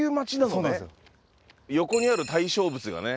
横にある対象物がね